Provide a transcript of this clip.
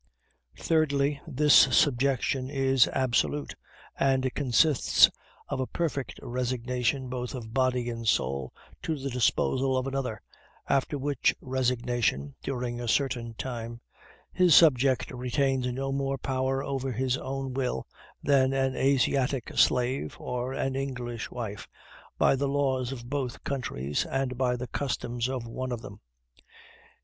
Thirdly, this subjection is absolute, and consists of a perfect resignation both of body and soul to the disposal of another; after which resignation, during a certain time, his subject retains no more power over his own will than an Asiatic slave, or an English wife, by the laws of both countries, and by the customs of one of them.